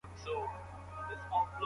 روښانه اړیکه د تفاهم سبب ګرځي.